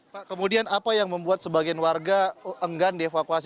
pak kemudian apa yang membuat sebagian warga enggan dievakuasi